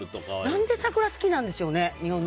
何で桜、好きなんでしょうね。